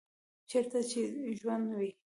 چیرته چې ژوند وي